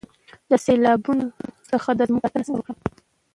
د سیلابونو څخه د ځمکو ساتنه څنګه وکړم؟